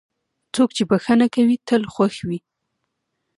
څوک چې بښنه کوي، تل خوښ وي.